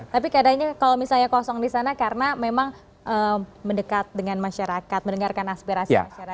tapi keadaannya kalau misalnya kosong di sana karena memang mendekat dengan masyarakat mendengarkan aspirasi masyarakat